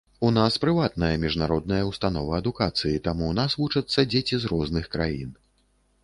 У нас прыватная міжнародная ўстанова адукацыі, таму ў нас вучацца дзеці з розных краін.